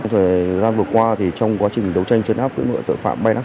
thời gian vừa qua trong quá trình đấu tranh chân áp với tội phạm bayluck